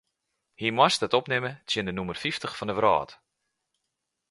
Hy moast it opnimme tsjin de nûmer fyftich fan de wrâld.